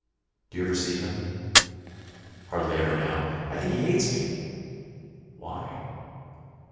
"Do you ever see him?" "Hardly ever now. I think he hates me." "Why?"